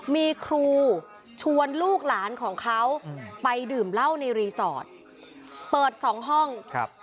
มีครูชวนลูกหลานของเขาไปดื่มเหล้าในรีสอร์ทเปิดสองห้องครับ